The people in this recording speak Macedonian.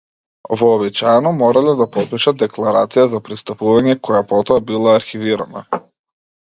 Вообичаено морале да потпишат декларација за пристапување која потоа била архивирана.